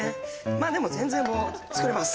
まぁでも全然作れます。